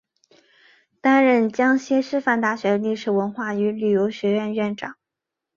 担任江西师范大学历史文化与旅游学院院长。